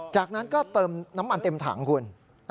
จากนั้นก็เติมน้ำมันเต็มถังคุณ